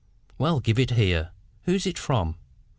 "Well, give it here. Who's it from?"